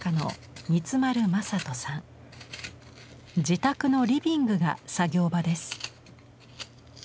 自宅のリビングが作業場です。